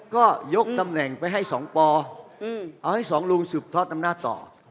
ก็ยกตำแหน่งไปให้๒ปเอาให้สองลุงสืบทอดอำนาจต่อ